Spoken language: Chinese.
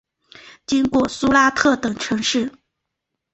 经过苏拉特等城市。